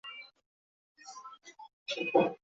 白马线